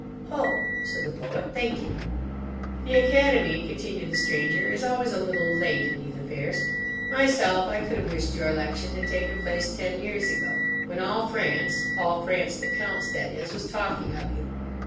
"Oh," said the Poet, "thank you." "The Academy," continued the Stranger, "is always a little late in these affairs. Myself, I could have wished your election had taken place ten years ago, when all France—all France that counts, that is—was talking of you.